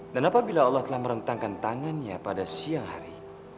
dan apabila allah telah merentangkan tangannya pada siang hari